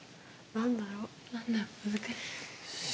何だろう難しい。